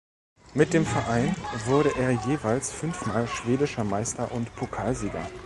Mit dem Verein wurde er jeweils fünf Mal schwedischer Meister und Pokalsieger.